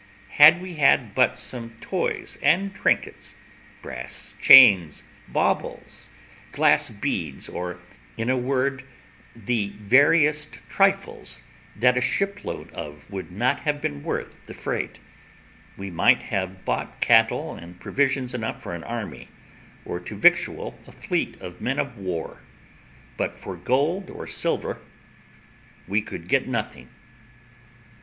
Had we had but some toys and trinkets, brass chains, baubles, glass beads, or, in a word, the veriest trifles that a shipload of would not have been worth the freight, we might have bought cattle and provisions enough for an army, or to victual a fleet of men of war; but for gold or silver we could get nothing.